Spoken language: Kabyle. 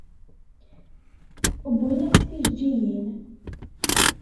Wwin-ak-d tijeǧǧigin.